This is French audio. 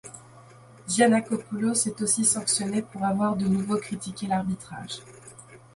Giannakopoulos est aussi sanctionné pour avoir de nouveau critiqué l'arbitrage.